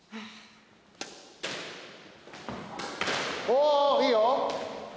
おいいよ。